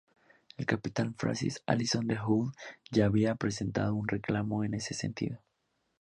El capitán Francis Allison del "Hull" ya había presentado un reclamo en ese sentido.